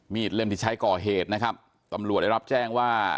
เล่มที่ใช้ก่อเหตุนะครับตำรวจได้รับแจ้งว่า